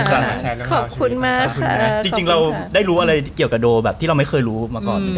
จริงเราได้รู้อะไรเกี่ยวกับโดที่เราไม่เคยรู้มาก่อน